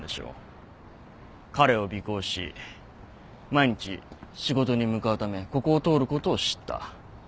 彼を尾行し毎日仕事に向かうためここを通ることを知った。